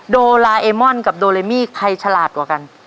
โดลาเอมอนกับโดเรมี่ใครฉลาดกว่ากัน